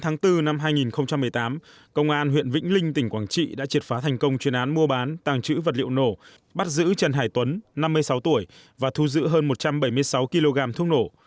ngày bốn năm hai nghìn một mươi tám công an huyện vĩnh linh tỉnh quảng trị đã triệt phá thành công chuyên án mua bán tàng trữ vật liệu nổ bắt giữ trần hải tuấn năm mươi sáu tuổi và thu giữ hơn một trăm bảy mươi sáu kg thuốc nổ